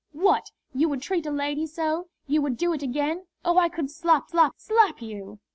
What! you would treat a lady so you would do it again? Oh, I could slap, slap, slap you!"